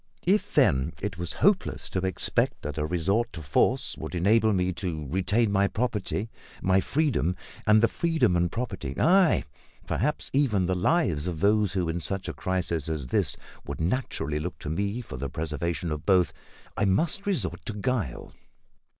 If, then, it was hopeless to expect that a resort to force would enable me to retain my property, my freedom, and the freedom and property, ay, perhaps even the lives of those who, in such a crisis as this, would naturally look to me for the preservation of both, I must resort to guile.